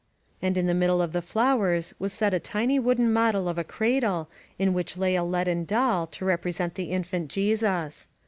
And in the middle of the flowers was set a tiny wooden 1 LOS PASTORES model of a cradle in which lay a leaden doll to repre sent the Infant Jesus.